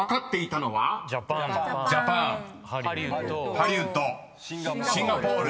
ハリウッドシンガポール。